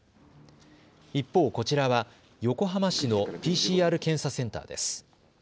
一方、こちらは横浜市のＰＣＲ検査センターです。